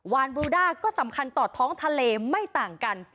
วานบรูด้าก็สำคัญต่อท้องทะเลไม่ต่างกัน